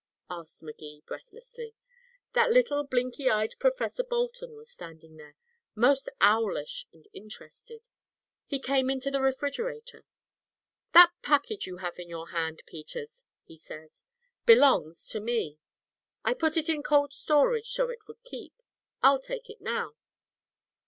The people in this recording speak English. asked Magee breathlessly. "That little blinky eyed Professor Bolton was standing there, most owlish and interested. He came into the refrigerator. 'That package you have in your hand, Peters,' he says, 'belongs to me. I put it in cold storage so it would keep. I'll take it now.'